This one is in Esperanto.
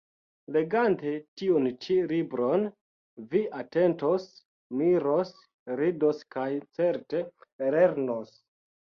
Legante tiun ĉi libron, vi atentos, miros, ridos kaj, certe, lernos.